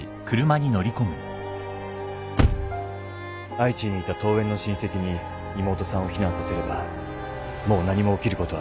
愛知にいた遠縁の親戚に妹さんを避難させればもう何も起きることはない。